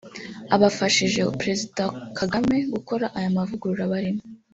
Abafashije Perezida Kagame gukora aya mavugurura barimo